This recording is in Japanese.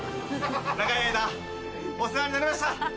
長い間お世話になりました！